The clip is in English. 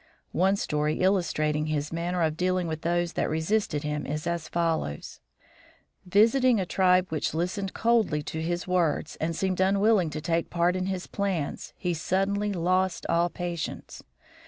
One story illustrating his manner of dealing with those that resisted him is as follows: Visiting a tribe which listened coldly to his words and seemed unwilling to take part in his plans he suddenly lost all patience.